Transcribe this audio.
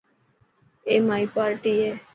اي مائي پارٽي هي.